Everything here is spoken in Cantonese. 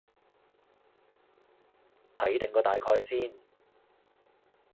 睇定個大概先